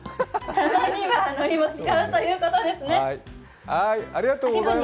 たまにはのりも使うということですね。